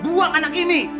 buang anak ini